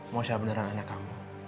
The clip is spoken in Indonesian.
mosha beneran anak kamu